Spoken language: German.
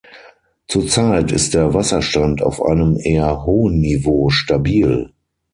Zurzeit ist der Wasserstand auf einem eher hohen Niveau stabil.